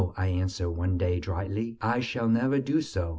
I answered one day, drily; "I shall never do so.